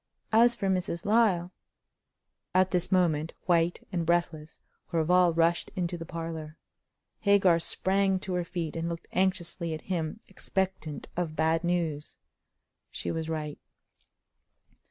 As for Mrs. Lyle—" At this moment, white and breathless, Horval rushed into the parlor. Hagar sprang to her feet, and looked anxiously at him, expectant of bad news. She was right.